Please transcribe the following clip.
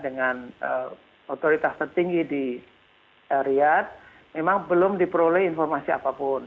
dengan otoritas tertinggi di riyad memang belum diperoleh informasi apapun